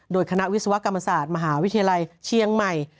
โดยคณะวิศวกรรมศาสตร์มหาวิทยาลัยเชียงใหม่